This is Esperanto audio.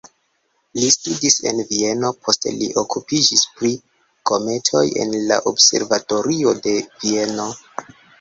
Li studis en Vieno, poste li okupiĝis pri kometoj en la observatorio de Vieno.